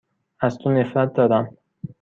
از تو نفرت دارم.